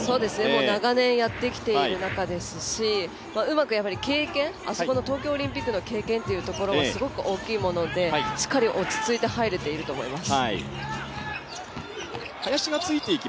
長年やってきている中ですし、うまくあそこの東京オリンピックの経験っていうところがすごく大きいものでしっかり落ち着いて入れていると思います。